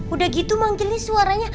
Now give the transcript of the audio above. udah gitu manggilnya suaranya